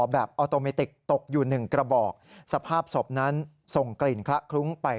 แบบออโตเมติกตกอยู่๑กระบอกสภาพสบนั้นส่งกลิ่นคลักลุ้งไป